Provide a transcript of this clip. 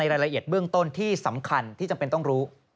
รายละเอียดเบื้องต้นที่สำคัญที่จำเป็นต้องรู้